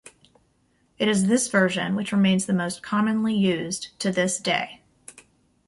It is this version which remains the most commonly used to this day.